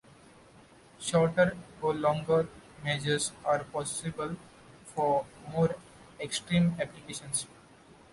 Shorter or longer measures are possible for more extreme applications.